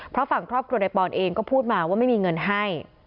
เพราะฝั่งครอบครัวนายปอนเองก็พูดมาว่าไม่มีเงินให้